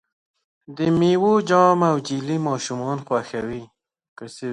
د میوو جام او جیلی ماشومان خوښوي.